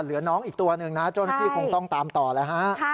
เหลือน้องอีกตัวหนึ่งนะเจ้าหน้าที่คงต้องตามต่อแล้วฮะ